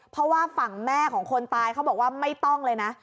เพราะว่าฝั่งแม่ของคนตายเขาบอกว่าไม่ต้องเลยนะ